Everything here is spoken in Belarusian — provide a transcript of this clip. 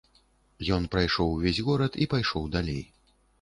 Ён прайшоў увесь горад і пайшоў далей.